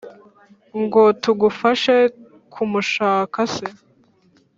ngo tugufashe kumushaka se?